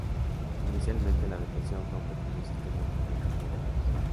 Inicialmente, la depresión fue un pequeño sistema con vientos moderados.